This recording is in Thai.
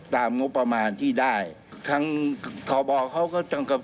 ตามประมาณที่ได้ของขอบอกเขาก็จะขำนียก